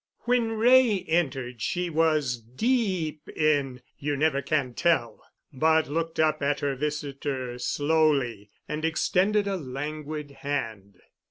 When Wray entered she was deep in "You Never Can Tell," but looked up at her visitor slowly and extended a languid hand.